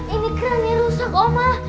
ini keran yang rusak omah